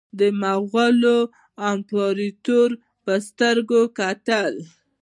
د مغولو امپراطور په سترګه کتل.